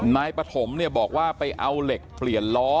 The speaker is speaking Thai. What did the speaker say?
นายปฐมเนี่ยบอกว่าไปเอาเหล็กเปลี่ยนล้อ